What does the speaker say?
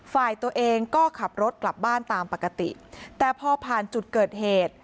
ฝ่ายตัวเองก็ขับรถกลับบ้านตามปกติแต่พอผ่านจุดเกิดเหตุ